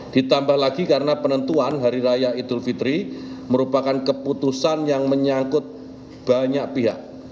ditambah lagi karena penentuan hari raya idul fitri merupakan keputusan yang menyangkut banyak pihak